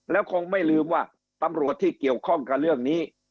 แล้วคงไม่ลืมว่าตำรวจที่เกี่ยวข้องกับเรื่องนี้